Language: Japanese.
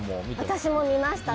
私も見ました。